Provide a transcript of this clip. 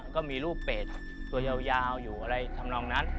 ก็มีรูปเป็ดตัวยาวอยู่อะไรทำนองนั้น